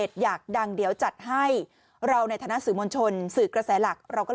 เสียงดังนั่นมาก